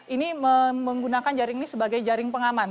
ini menggunakan jaring ini sebagai jaring pengaman